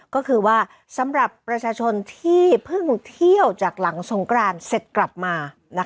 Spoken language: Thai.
ก็คือว่าสำหรับประชาชนที่เพิ่งเที่ยวจากหลังสงกรานเสร็จกลับมา